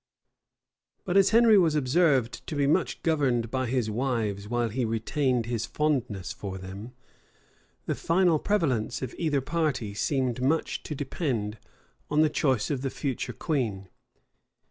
But as Henry was observed to be much governed by his wives while he retained his fondness for them, the final prevalence of either party seemed much to depend on the choice of the future queen.